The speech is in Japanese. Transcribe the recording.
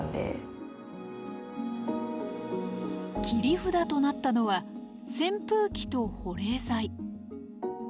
切り札となったのは扇風機と保冷剤。